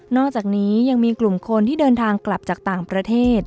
อกจากนี้ยังมีกลุ่มคนที่เดินทางกลับจากต่างประเทศ